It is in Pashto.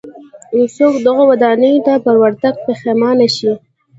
څوک دغو ودانیو ته پر ورتګ پښېمانه شي.